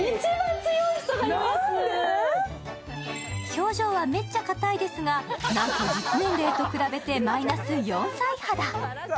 表情はめっちゃ硬いですがなんと実年齢と比べてマイナス４歳肌。